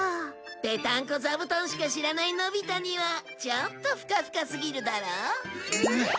ぺたんこ座布団しか知らないのび太にはちょっとフカフカすぎるだろ？